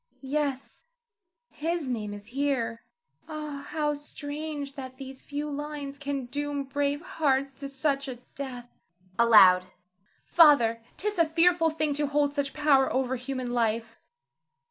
_] Yes, his name is here. Ah, how strange that these few lines can doom brave hearts to such a death! [Aloud.] Father, 'tis a fearful thing to hold such power over human life.